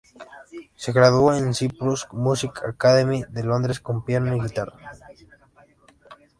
Se graduó en la Cyprus Music Academy de Londres con piano y guitarra.